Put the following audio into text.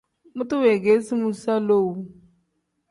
Mutu weegeresi muusa lowu.